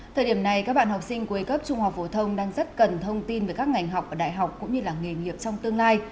thời điểm này các bạn học sinh cuối cấp trung học phổ thông đang rất cần thông tin về các ngành học ở đại học cũng như là nghề nghiệp trong tương lai